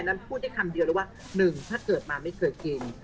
พูดได้คำเดียวเลยว่าหนึ่งถ้าเกิดมาไม่เคยกิน